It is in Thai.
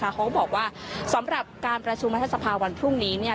เขาก็บอกว่าสำหรับการประชุมรัฐสภาวันพรุ่งนี้